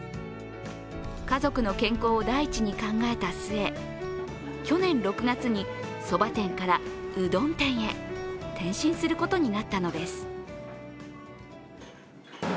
家族の健康を第一に考えた末、去年６月にそば店からうどん店へ転身することになったのです。